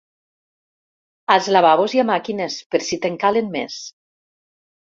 Als lavabos hi ha màquines, per si te'n calen més.